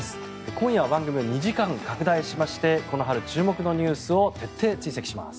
今夜は番組２時間に拡大しましてこの春注目のニュースを徹底追跡します。